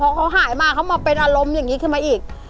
พอเขาหายมาเขามาเป็นอารมณ์อย่างนี้ขึ้นมาอีก